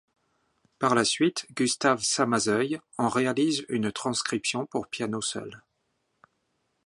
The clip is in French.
Par la suite, Gustave Samazeuilh en réalise une transcription pour piano seul.